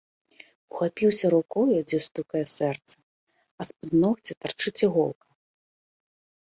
Ухапіўся рукою, дзе стукае сэрца, а з-пад ногця тарчыць іголка.